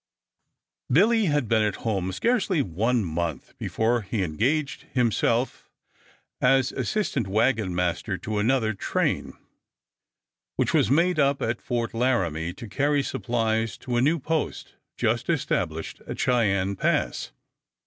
Billy had been at home scarcely one month before he engaged himself as assistant wagon master to another train which was made up at Fort Laramie to carry supplies to a new post just established at Cheyenne Pass.